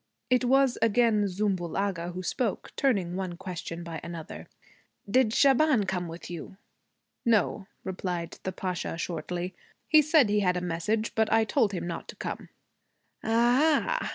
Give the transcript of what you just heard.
It was again Zümbül Agha who spoke, turning one question by another: 'Did Shaban come with you?' 'No,' replied the Pasha shortly. 'He said he had had a message, but I told him not to come.' 'A ah!'